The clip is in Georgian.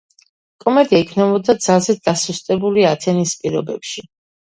კომედია იქმნებოდა ძალზედ დასუსტებული ათენის პირობებში.